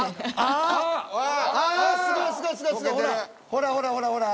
ほらほらほらほら。